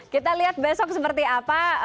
kita lihat besok seperti apa